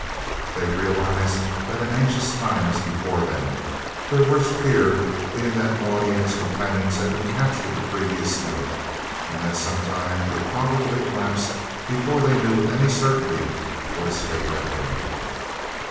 They realised that an anxious time was before them, their worst fear being that Naudé and his companions had been captured the previous night and that some time would probably elapse before they knew with any certainty what his fate had been.